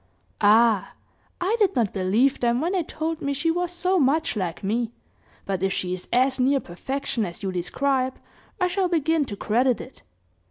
"Ah! I did not believe them, when they told me she was so much like me; but if she is as near perfection as you describe, I shall begin to credit it.